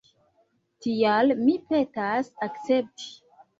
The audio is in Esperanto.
Tial mi petas akcepti.